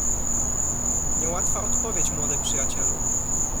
"Nie łatwa odpowiedź, młody przyjacielu!"